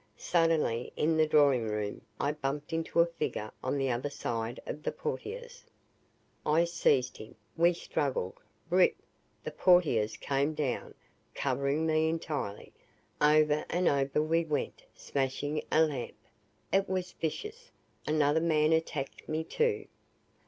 Suddenly, in the drawing room, I bumped into a figure on the other side of the portieres. I seized him. We struggled. Rip! The portieres came down, covering me entirely. Over and over we went, smashing a lamp. It was vicious. Another man attacked me, too.